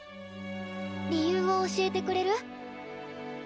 理由を教えてくれる？